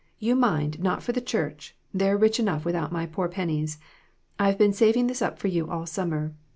' You, mind, not for the church ; they're rich enough without my poor pennies. I've been saving this up for you all summer.'